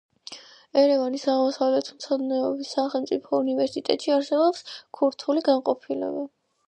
ერევანის აღმოსავლეთმცოდნეობის სახელმწიფო უნივერსიტეტში არსებობს ქურთული განყოფილება.